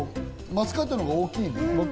マスカットのほうが大きいね。